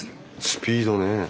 スピードねえ。